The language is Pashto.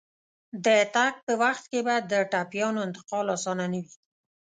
د تګ په وخت کې به د ټپيانو انتقال اسانه نه وي.